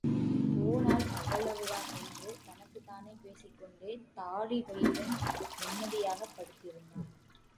போனால் அவ்வளவுதான் என்று தனக்குத்தானே பேசிக்கொண்டே தாழிவயிறன் நிம்மதியாகப் படுத்திருந்தான்.